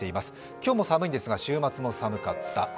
今日も寒いんですが、週末も寒かった。